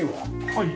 はい。